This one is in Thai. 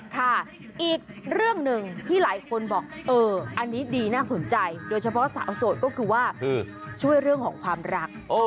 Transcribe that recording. ค่ะอีกเรื่องหนึ่งที่หลายคนบอกเอออันนี้ดีน่าสนใจโดยเฉพาะสาวโสดก็คือว่าช่วยเรื่องของความรัก